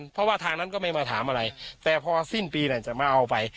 เพราะว่าทางนั้นก็ไม่มาถามอะไรแต่พอสิ้นปีจะมาเอาไป